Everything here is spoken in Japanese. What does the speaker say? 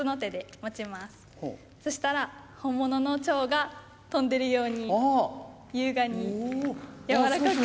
そしたら本物の蝶が飛んでるように優雅に柔らかく。